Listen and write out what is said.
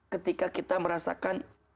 ketika kita merasakan